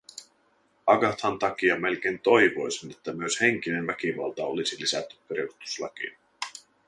Agathan takia melkein toivoisin, että myös henkinen väkivalta olisi lisätty perustuslakiin.